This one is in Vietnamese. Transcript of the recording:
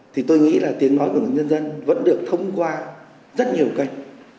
thì tôi nghĩ là tiếng nói của nhân dân vẫn được thông qua rất nhiều kênh